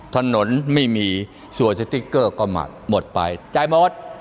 ถนนไม่มีส่วนสติ๊กเกอร์ก็หมัดหมดไปจ่ายหมด